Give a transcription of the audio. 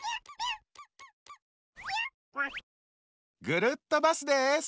ぐるっとバスです。